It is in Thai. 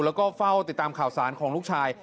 แล้วก็เฝ้าติดตามข่าวสารของลูกชาย